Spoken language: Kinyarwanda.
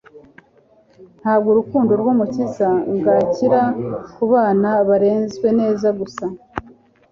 Ntabwo urukundo rw'Umukiza ngankira ku bana barezwe neza gusa,